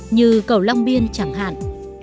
như cầu long biên chẳng hạn